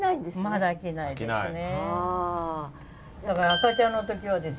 まだ飽きないですね。